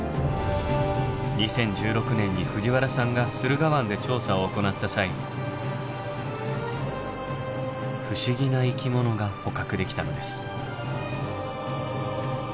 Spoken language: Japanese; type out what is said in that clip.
２０１６年に藤原さんが駿河湾で調査を行った際不思議な生き物が捕獲できたのです。